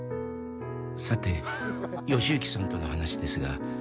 「さてヨシユキさんとの話ですが」